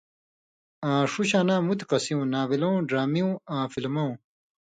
آں ݜُو شاناں مُتیۡ قصیُوں، ناولؤں، ڈرامیُوں آں فِلمؤں،